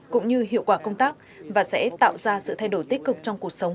cũng như hiệu quả công tác và sẽ tạo ra sự thay đổi tích cực trong cuộc sống